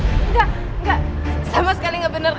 enggak enggak sama sekali gak bener